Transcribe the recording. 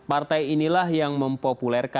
pertama p tiga ini adalah yang mempopulisikan